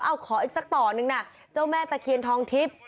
เอาขออีกสักต่อหนึ่งนะเจ้าแม่ตะเคียนทองทิพย์